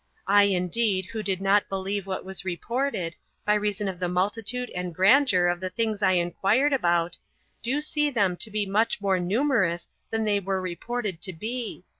I indeed, who did not believe what was reported, by reason of the multitude and grandeur of the things I inquired about, do see them to be much more numerous than they were reported to be.